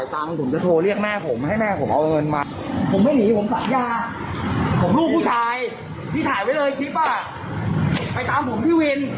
ถ่ายไว้เลยคลิปว่าไปตามผมพี่วิน